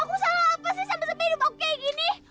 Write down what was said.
aku salah apa sih sampai hidup aku kaya gini